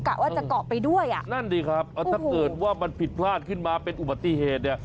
ว่าจะเกาะไปด้วยอ่ะนั่นดิครับถ้าเกิดว่ามันผิดพลาดขึ้นมาเป็นอุบัติเหตุเนี่ย